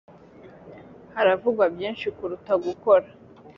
haravugwa byinshi kuruta gukora